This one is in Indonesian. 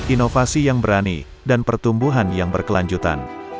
inovasi yang berani dan pertumbuhan yang berkelanjutan